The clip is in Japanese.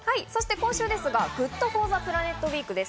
今週ですが、ＧｏｏｄＦｏｒｔｈｅＰｌａｎｅｔウィークです。